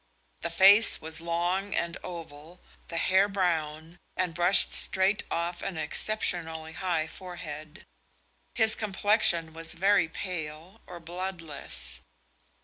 The face was long and oval, the hair brown, and brushed straight off an exceptionally high forehead. His complexion was very pale or bloodless.